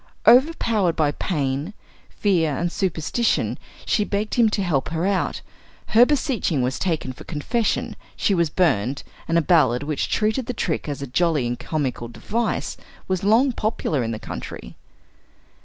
Overpowered by pain, fear and superstition, she begged him to help her out; her beseeching was taken for confession, she was burned, and a ballad which treated the trick as a jolly and comical device, was long popular in the country.